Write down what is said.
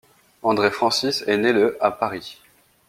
André Francis est né le à Paris.